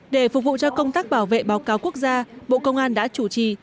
để phục vụ cho công tác bảo vệ báo cáo quốc gia bộ công an đã chủ trì